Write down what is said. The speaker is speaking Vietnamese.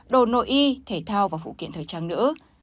đồ nội y thể thao và phụ kiện thời trang nữ